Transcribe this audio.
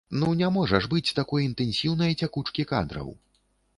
Ну не можа ж быць такой інтэнсіўнай цякучкі кадраў!